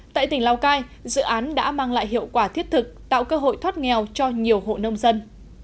tại tỉnh lào cai dự án đã mang lại hiệu quả thiết thực tạo cơ hội thoát nghèo cho nhiều hộ nông dân